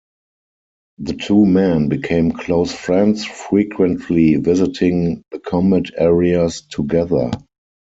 The two men became close friends, frequently visiting the combat areas together.